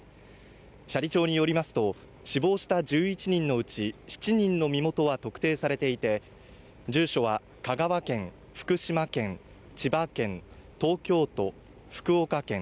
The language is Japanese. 斜里町によりますと死亡した１１人のうち７人の身元は特定されていて住所は香川県、福島県、千葉県、東京都福岡県